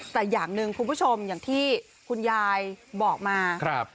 แต่อย่างหนึ่งคุณผู้ชมอย่างที่คุณยายบอกมา